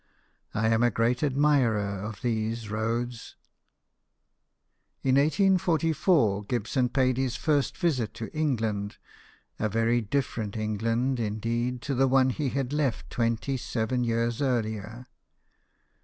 I am a great admirer of these roads." In 1844 Gibson paid his first visit to England, a very different England indeed to the one he had left twenty seven years earlier.